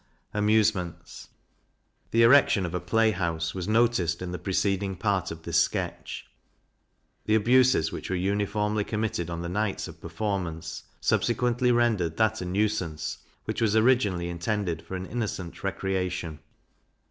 Amusements. The erection of a play house was noticed in the preceding part of this sketch; the abuses which were uniformly committed on the nights of performance, subsequently rendered that a nuisance which was originally intended for an innocent recreation.